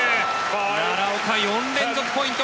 奈良岡、４連続ポイント。